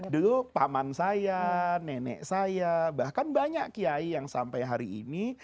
dulu paman saya nenek saya bahkan banyak kiai yang sampai hari ini